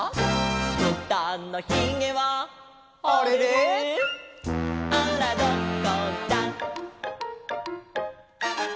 「ぶたのひげは」「あれれ」「あらどこだ」